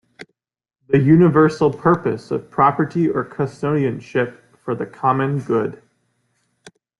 The Universal Purpose of Property or Custodianship for the Common Good.